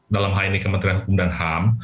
dalam hal ini kementerian hukum dan ham